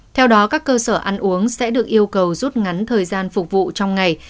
theo đó các cơ sở ăn uống sẽ được yêu cầu rút ngắn thời gian phục vụ trong ngày